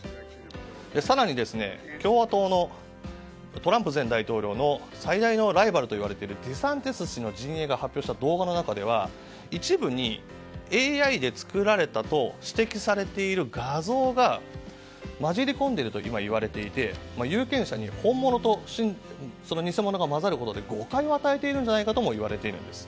更に、共和党のトランプ前大統領の最大のライバルといわれるデサンティス氏の陣営が発表した動画の中では一部にＡＩで作られたと指摘されている画像が混じりこんでいるといわれていて有権者に本物と偽物が混ざることで誤解を与えているんじゃないかといわれています。